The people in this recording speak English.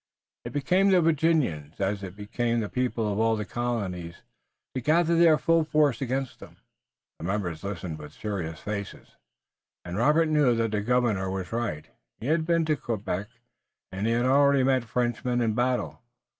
It became the Virginians, as it became the people of all the colonies, to gather their full force against them. The members listened with serious faces, and Robert knew that the governor was right. He had been to Quebec, and he had already met Frenchmen in battle.